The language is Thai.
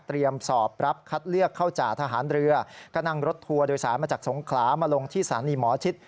สอบรับคัดเลือกเข้าจ่าทหารเรือก็นั่งรถทัวร์โดยสารมาจากสงขลามาลงที่สถานีหมอชิด